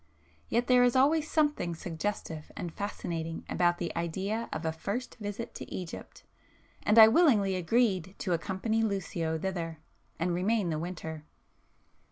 Yet there is always something suggestive and fascinating about the idea of a first visit to Egypt, and I willingly agreed to accompany Lucio thither, and remain the winter.